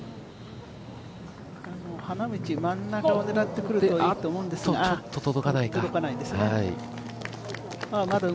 花道真ん中を狙ってくると思うんですが届かないですね。